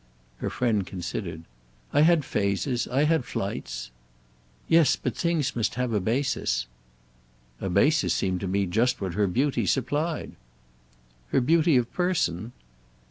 Her friend considered. "I had phases. I had flights." "Yes, but things must have a basis." "A basis seemed to me just what her beauty supplied." "Her beauty of person?"